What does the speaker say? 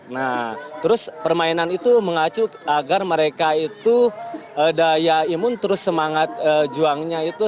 nah terus permainan itu mengacu agar mereka itu daya imun terus semangat juangnya itu